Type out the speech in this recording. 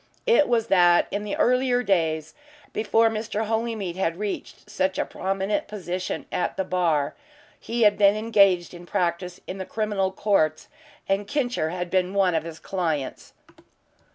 It was that in the earlier days before Mr. Holymead had reached such a prominent position at the bar, he had been engaged in practice in the criminal courts, and "Kincher" had been one of his clients.